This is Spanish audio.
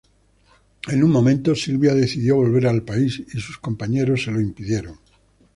En un momento Sylvia decidió volver al país y sus compañeros se lo impidieron.